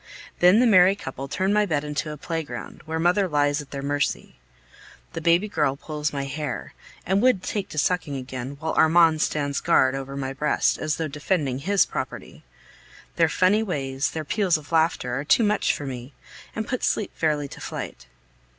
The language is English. Then the merry couple turn my bed into a playground, where mother lies at their mercy. The baby girl pulls my hair, and would take to sucking again, while Armand stands guard over my breast, as though defending his property. Their funny ways, their peals of laughter, are too much for me, and put sleep fairly to flight.